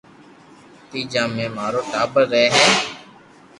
تيجا مي مارو ٽاٻر رھي ھي